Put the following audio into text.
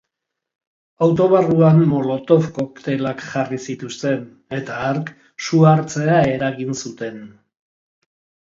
Auto barruan molotov koktelak jarri zituzten, eta hark su hartzea eragin zuten.